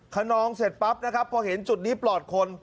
ขนองเสร็จปั๊บนะครับพอเห็นจุดนี้ปลอดคน